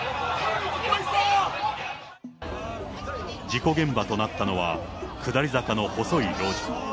事故現場となったのは、下り坂の細い路地。